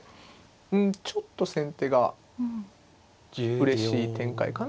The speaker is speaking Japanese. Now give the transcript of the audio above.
うんちょっと先手がうれしい展開かなと。